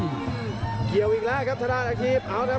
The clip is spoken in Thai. พยายามจะไถ่หน้านี่ครับการต้องเตือนเลยครับ